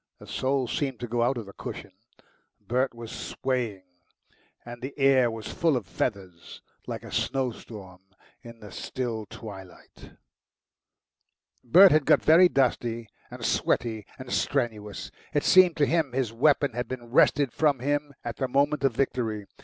The soul seemed to go out of the cushion Bert was swaying, and the air was full of feathers, like a snowstorm in the still twilight. Bert had got very dusty and sweaty and strenuous. It seemed to him his weapon had been wrested from him at the moment of victory.